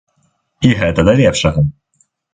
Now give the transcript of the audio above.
І гэта да лепшага.